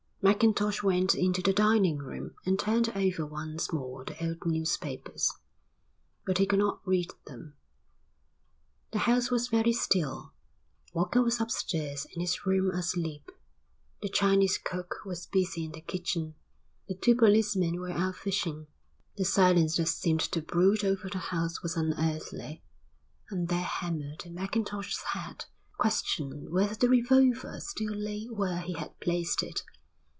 Mackintosh went into the dining room and turned over once more the old newspapers. But he could not read them. The house was very still. Walker was upstairs in his room asleep, the Chinese cook was busy in the kitchen, the two policemen were out fishing. The silence that seemed to brood over the house was unearthly, and there hammered in Mackintosh's head the question whether the revolver still lay where he had placed it.